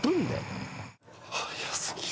早過ぎる。